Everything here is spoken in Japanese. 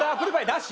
なし？